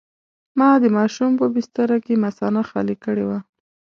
ما د ماشوم په بستره کې مثانه خالي کړې وه.